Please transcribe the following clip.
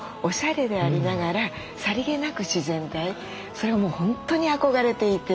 それがもう本当に憧れていて。